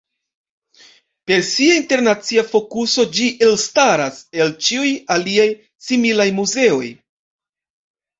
Per sia internacia fokuso ĝi elstaras el ĉiuj aliaj similaj muzeoj.